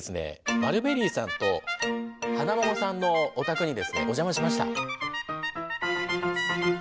マルベリーさんとハナモモさんのお宅にですねお邪魔しました。